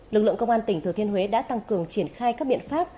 lực lượng công an tỉnh thừa thiên huế đã tăng cường triển khai các biện pháp